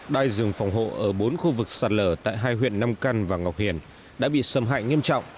đai rừng phòng hộ ở bốn khu vực sạt lở tại hai huyện nam căn và ngọc hiền đã bị xâm hại nghiêm trọng